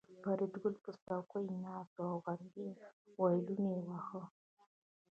فریدګل په څوکۍ ناست و او غمګین وایلون یې واهه